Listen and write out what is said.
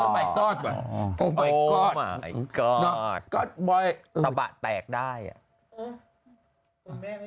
สะดากแตกได้อะ